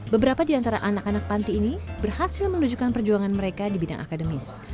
beberapa di antara anak anak panti ini berhasil menunjukkan perjuangan mereka di bidang akademis